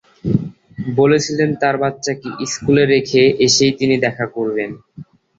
বলেছিলেন তাঁর বাচ্চাকে স্কুলে রেখে এসেই তিনি দেখা করবেন।